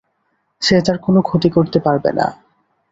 সে তোর কোনো ক্ষতি করতে পারবে না।